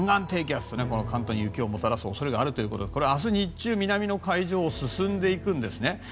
低気圧関東に雪をもたらす恐れがあるということで明日日中、南の海上を進んでいくんですね。